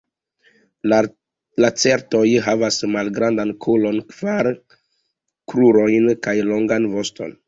Lacertoj havas mallarĝan kolon, kvar krurojn kaj longan voston.